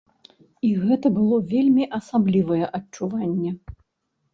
І гэта было вельмі асаблівае адчуванне.